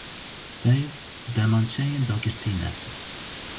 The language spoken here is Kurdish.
Peyv, demançeyên dagirtî ne.